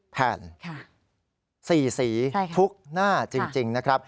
แผ่น๔สีทุกหน้าจริงนะครับ